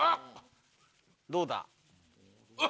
どうだ？